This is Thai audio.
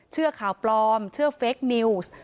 เชื่อข่าวปลอมเชื่อเฟคนิวส์